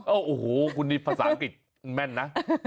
โอ้โหคุณนี่ภาษาอังกฤษแม่นนะ